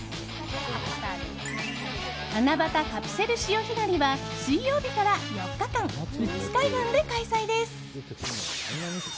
七夕カプセル潮干狩りは水曜日から４日間富津海岸で開催です。